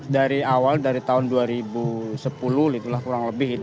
dari awal dari tahun dua ribu sepuluh itulah kurang lebih